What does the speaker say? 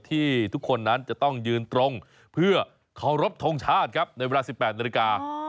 ที่ทุกคนนั้นจะต้องยืนตรงเพื่อเคารพทงชาติครับในเวลา๑๘นาฬิกา